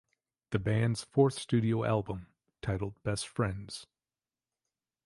The band's fourth studio album, titled Best Friends?